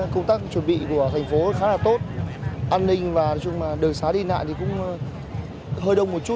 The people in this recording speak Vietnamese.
công tác chuẩn bị của thành phố